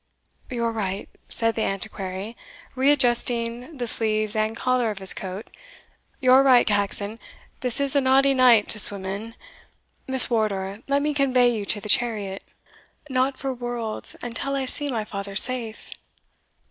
"You're right," said the Antiquary, readjusting the sleeves and collar of his coat, "you're right, Caxon; this is a naughty night to swim in. Miss Wardour, let me convey you to the chariot." "Not for worlds till I see my father safe."